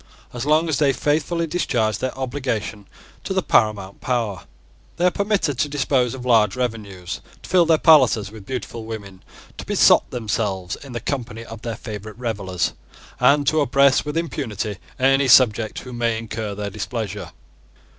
As long as they faithfully discharge their obligations to the paramount power, they are permitted to dispose of large revenues, to fill their palaces with beautiful women, to besot themselves in the company of their favourite revellers, and to oppress with impunity any subject who may incur their displeasure.